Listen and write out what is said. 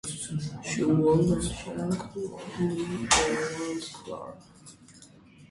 She would honk loudly the word ‘Clara’.